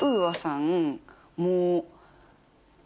もう。